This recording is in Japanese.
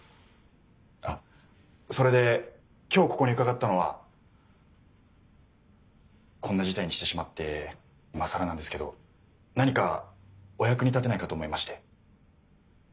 あっそれで今日ここに伺ったのはこんな事態にしてしまって今更なんですけど何かお役に立てないかと思いまして。